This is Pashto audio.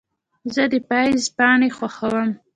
زه د پاییز پاڼې خوښوم.